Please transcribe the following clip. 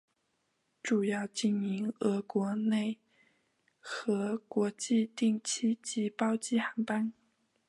主要经营俄罗斯国内和国际定期及包机航班。